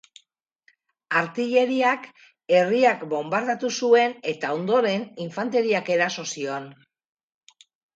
Artilleriak herria bonbardatu zuen eta, ondoren, infanteriak eraso zion.